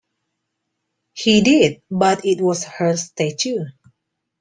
He did, but it was her statue.